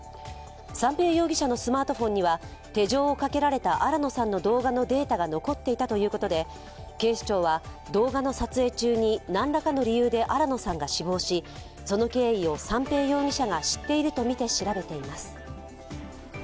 三瓶容疑者のスマートフォンには手錠がかけられた新野さんの動画のデータが残っていたということで警視庁は動画の撮影中に何らかの理由で新野さんが死亡し、その経緯を三瓶容疑者が知っているとみて調べています。